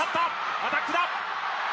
アタックだ。